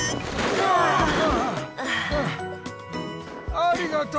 ありがとう！